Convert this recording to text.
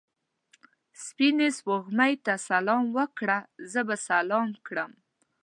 سپینې سپوږمۍ ته سلام وکړه؛ زه به سلام کړم.